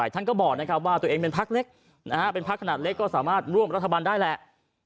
ท่านก็บอกว่าตัวเองเป็นพักเล็กเป็นพักขนาดเล็กก็สามารถร่วมรัฐบาลได้แหละ